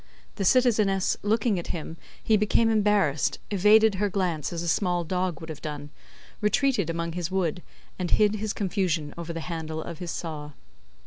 The citizeness looking at him, he became embarrassed, evaded her glance as a small dog would have done, retreated among his wood, and hid his confusion over the handle of his saw.